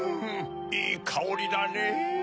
いいかおりだねぇ。